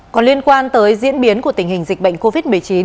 còn liên quan tới diễn biến của tình hình dịch bệnh covid một mươi chín